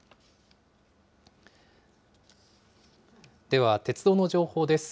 では、鉄道の情報です。